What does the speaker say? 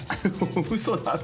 ウソだろ？